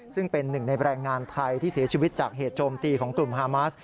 ซึ่งเป็นหนึ่งในแรงงานไทยที่เสียชีวิตจากเหตุโจมตีของกลุ่มฮามัส